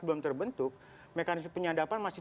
belum terbentuk mekanisme penyadapan masih